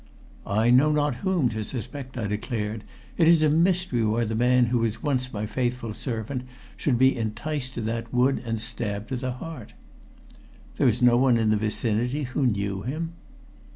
"I know not whom to suspect," I declared. "It is a mystery why the man who was once my faithful servant should be enticed to that wood and stabbed to the heart." "There is no one in the vicinity who knew him?"